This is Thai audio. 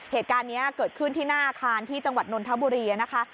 เหตุการณ์นี้เกิดขึ้นที่หน้าอาคารที่จังหวัดนนทบุรีนะคะ